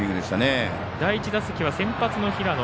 第１打席は先発の平野。